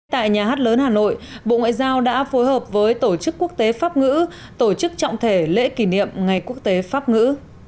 tại nhà hát lớn hà nội bộ ngoại giao đã phối hợp với tổ chức quốc tế pháp ngữ tổ chức trọng thể lễ kỷ niệm ngày quốc tế pháp ngữ